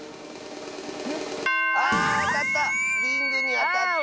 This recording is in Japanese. ああたった！